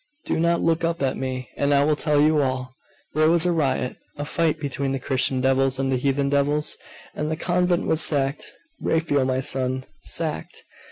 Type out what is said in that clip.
Do not look up at me, and I will tell you all. There was a riot a fight between the Christian devils and the Heathen devils and the convent was sacked, Raphael, my son! Sacked!....